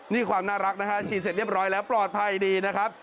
นี่ความน่ารักนะฮะฉีดเสร็จเรียบร้อยแล้วปลอดภัยดีนะครับ